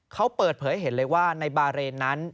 เขาเปิดเผยให้เห็นเลยว่าในบาเรนนั้น